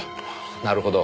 なるほど。